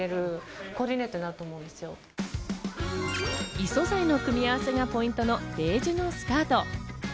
異素材の組み合わせがポイントのベージュのスカート。